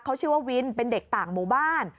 เขาชื่อว่าวินเป็นเด็กต่างหมู่บ้าน